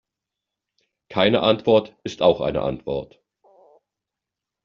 Keine Antwort ist auch eine Antwort.